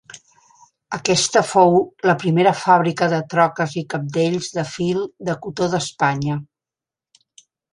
Aquesta fou la primera fàbrica de troques i cabdells de fil de cotó d'Espanya.